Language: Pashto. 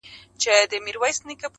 او بحثونه لا روان دي,